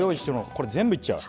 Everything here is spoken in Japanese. これ全部いっちゃう？